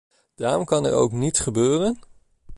Daarom kan er ook niets gebeuren.?